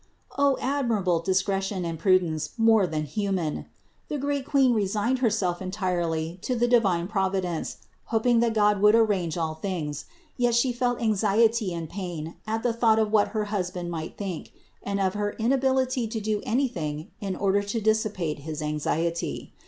205. O admirable discretion and prudence more than human! The great Queen resigned Herself entirely to the divine Providence, hoping that God would arrange all things; yet She felt anxiety and pain, at the thought of what her husband might think, and of her inability to do anything in order to dissipate his anxiety.